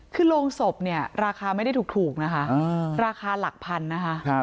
คือโรงศพเนี่ยราคาไม่ได้ถูกนะคะราคาหลักพันนะคะ